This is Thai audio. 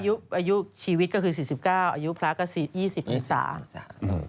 ถ้าอายุชีวิตก็คือ๔๙อายุพระกษร๒๐ภัณฐ์สร่าง